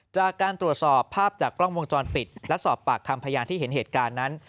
จากการตรวจสอบภาพจากกล้องวงจรปิดและสอบปากคำพยานที่เห็นเหตุการณ์นั้น